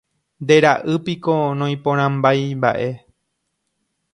Nde ra'ýpiko noĩporãmbáimba'e